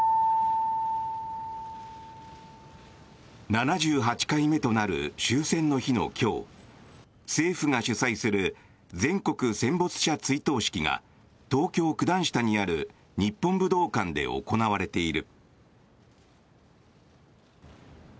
７８回目となる終戦の日の今日政府が主催する全国戦没者追悼式が東京・九段下にある日本武道館で行われている。